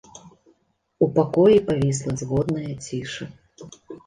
У пакоі павісла згодная ціша.